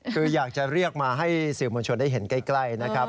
คืออยากจะเรียกมาให้สื่อมวลชนได้เห็นใกล้นะครับ